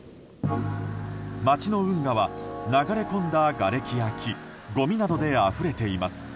街の運河は流れ込んだがれきや木ごみなどであふれています。